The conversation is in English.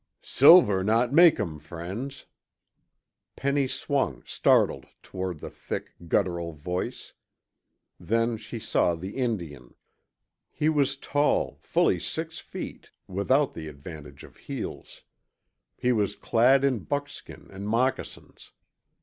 "Silver not make um friends." Penny swung, startled, toward the thick, guttural voice. Then she saw the Indian. He was tall, fully six feet, without the advantage of heels. He was clad in buckskin and moccasins.